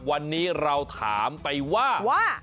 วันนี้เราถามไปว่า